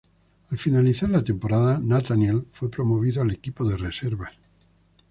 Al finalizar la temporada, Nathaniel fue promovido al equipo de reservas.